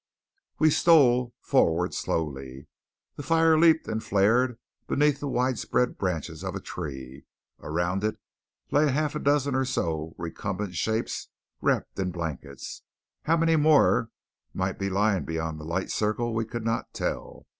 We stole forward slowly. The fire leaped and flared beneath the widespread branches of a tree. Around it lay a half dozen or so recumbent shapes wrapped in blankets. How many more might be lying beyond the light circle we could not tell.